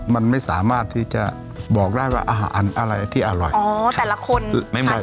มันไม่สามารถที่จะบอกได้ว่าอาหารอะไรที่อร่อยอ๋อแต่ละคน